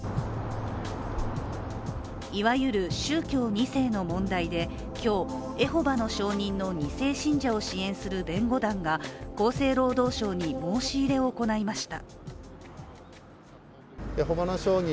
いわゆる宗教２世の問題で今日、エホバの証人の２世信者を支援する弁護団が厚生労働省に申し入れを行いました。